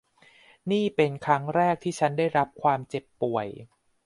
นี่เป็นครั้งแรกที่ฉันได้รับความเจ็บป่วย